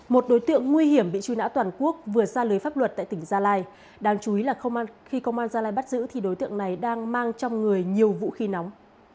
một đối tượng nguy hiểm bị truy nã toàn quốc vừa xa lưới pháp luật tại tỉnh gia lai đáng chú ý là không khi công an gia lai bắt giữ thì đối tượng này đang mang trong người nhiều vũ khí nóng